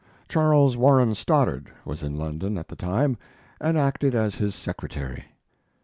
Charles Warren Stoddard was in London at the time, and acted as his secretary.